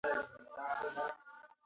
موږ باید راتلونکي نسل ته فکر وکړو.